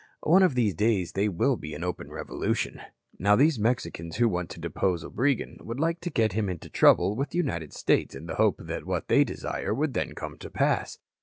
One of these days they will be in open revolution. "Now these Mexicans who want to depose Obregon would like to get him into trouble with the United States in the hope that what they desire would then come to pass."